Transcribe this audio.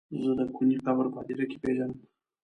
زه د کوني قبر په هديره کې پيژنم.